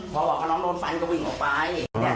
พอบอกว่าน้องโดนฟันก็วิ่งออกไป